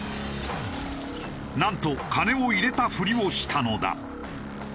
なんと金を入れたふりをしたのだ。